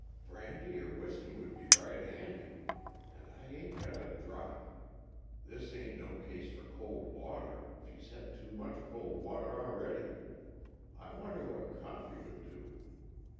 "Brandy or whisky would be right handy, and I ain't got a drop. This ain't no case for cold water; she's had too much cold water already. I wonder what coffee would do?"